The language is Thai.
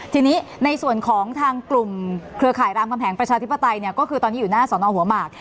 ทีนี้ในส่วนของทางกลุ่มเครือข่ายรามคำแหงประชาธิปไตยเนี่ยก็คือตอนนี้อยู่หน้าสอนอหัวหมาก